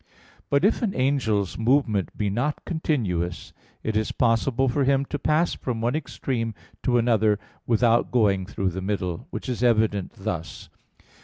iv, text 99). But if an angel's movement be not continuous, it is possible for him to pass from one extreme to another without going through the middle: which is evident thus.